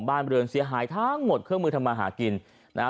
บางเสียงท่านรองแม่ธาพาคครับ